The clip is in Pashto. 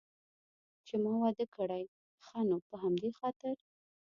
چې ما واده کړی، ښه نو په همدې خاطر.